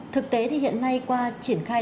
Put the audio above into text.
thực tế thì hiện nay qua triển khai